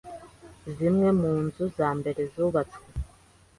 Zimwe mu nzu za mbere zubatswe